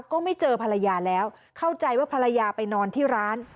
ก็ไม่เจอภรรยาแล้วเข้าใจว่าภรรยาไปนอนที่ร้าน